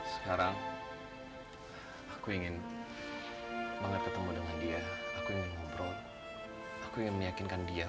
sekarang aku ingin banget ketemu dengan dia aku ingin ngobrol aku ingin meyakinkan dia